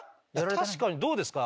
確かにどうですか？